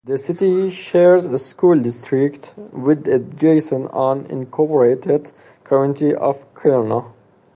The city shares a school district with the adjacent unincorporated community of Kiona.